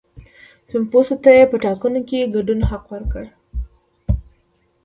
سپین پوستو ته یې په ټاکنو کې د ګډون حق ورکړ.